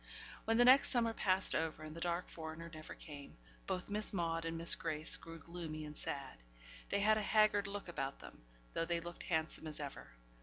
When the next summer passed over, and the dark foreigner never came, both Miss Maude and Miss Grace grew gloomy and sad; they had a haggard look about them, though they looked handsome as ever.